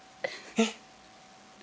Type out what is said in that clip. えっ？